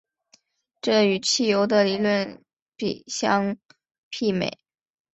这与汽油的理论比能相媲美。